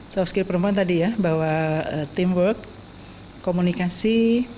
soft skill perempuan tadi ya bawa teamwork komunikasi